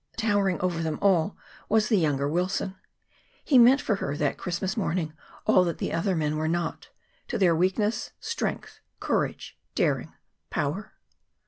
Towering over them all was the younger Wilson. He meant for her, that Christmas morning, all that the other men were not to their weakness strength, courage, daring, power.